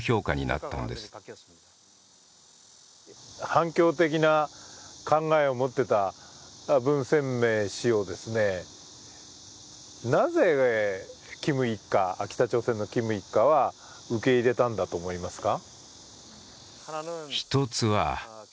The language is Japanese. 反共的な考えを持ってた文鮮明氏をなぜ北朝鮮のキム一家は受け入れたんだと思いますか？